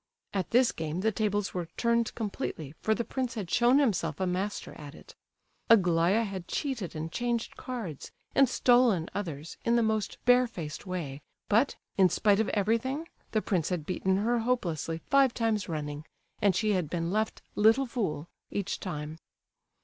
At this game the tables were turned completely, for the prince had shown himself a master at it. Aglaya had cheated and changed cards, and stolen others, in the most bare faced way, but, in spite of everything the prince had beaten her hopelessly five times running, and she had been left "little fool" each time.